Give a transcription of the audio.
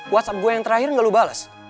whatsapp gue yang terakhir enggak lo bales